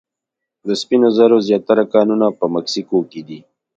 د سپینو زرو زیاتره کانونه په مکسیکو کې دي.